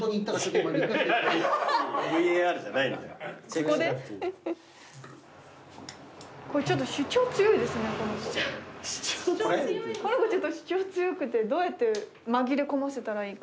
この子ちょっと主張強くてどうやって紛れ込ませたらいいか。